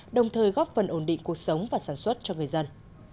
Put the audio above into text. đồng thời góp phần ổn định cuộc sống và sản xuất cho người dân